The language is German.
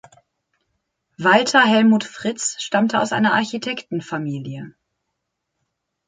Walter Helmut Fritz stammte aus einer Architektenfamilie.